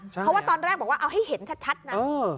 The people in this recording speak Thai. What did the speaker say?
เพราะว่าตอนแรกบอกว่าเอาให้เห็นชัดนะ